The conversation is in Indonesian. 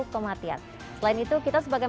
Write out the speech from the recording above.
kematian selain itu kita sebagai